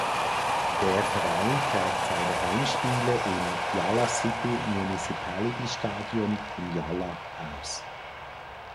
Der Verein trägt seine Heimspiele im Yala City Municipality Stadium in Yala aus.